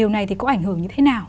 điều này thì có ảnh hưởng như thế nào